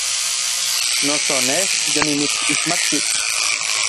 Noso nej yonimitsixmatki.